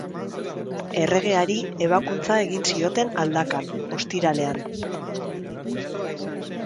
Erregeari ebakuntza egin zioten aldakan, ostiralean.